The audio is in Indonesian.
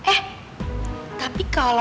eh tapi kan